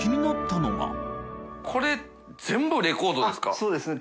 あっそうですね。